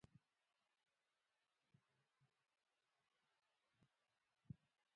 افغانستان کې کندهار د نن او راتلونکي لپاره ارزښت لري.